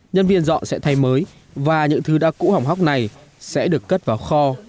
nhân viên dọ sẽ thay mới và những thứ đã cũ hỏng hóc này sẽ được cất vào kho